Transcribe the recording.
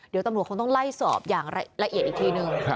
เดี๋ยวตำรวจคงต้องไล่สอบอย่างละเอียดอีกทีหนึ่ง